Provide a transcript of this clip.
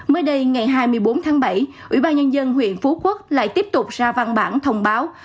mới đây ngày hai mươi bốn tháng bảy ủy ban nhân dân huyện phú quốc lại tiếp tục ra văn bản thông báo